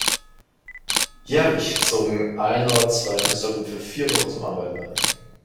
Jährlich zogen eine oder zwei Künstlergruppen für vier Wochen zum Arbeiten ein.